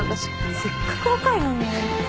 せっかく若いのに。